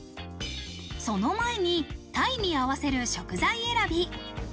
その前に、タイに合わせる食材選び。